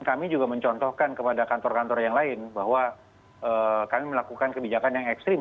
dan kami juga mencontohkan kepada kantor kantor yang lain bahwa kami melakukan kebijakan yang ekstrim